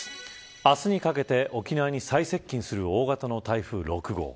明日にかけて沖縄に最接近する大型の台風６号。